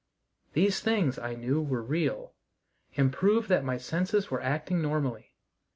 These things, I knew, were real, and proved that my senses were acting normally.